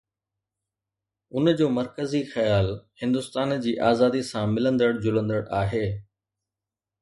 ان جو مرڪزي خيال هندستان جي آزاديءَ سان ملندڙ جلندڙ آهي